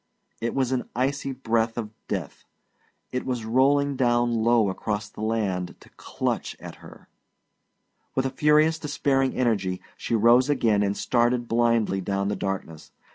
It was an icy breath of death; it was rolling down low across the land to clutch at her. With a furious, despairing energy she rose again and started blindly down the darkness.